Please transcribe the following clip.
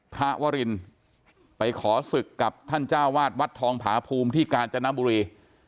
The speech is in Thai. พระวรินไปขอศึกกับท่านเจ้าวาดวัดทองผาภูมิที่กาญจนบุรี